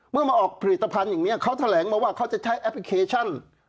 มาออกผลิตภัณฑ์อย่างนี้เขาแถลงมาว่าเขาจะใช้แอปพลิเคชัน